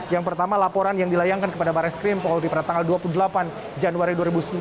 yang pertama laporan yang dilayangkan kepada baris krimpolri pada tanggal dua puluh delapan januari dua ribu dua puluh satu